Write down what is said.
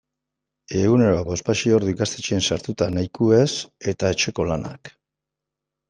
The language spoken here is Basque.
Egunero bospasei ordu ikastetxean sartuta nahikoa ez eta etxeko lanak.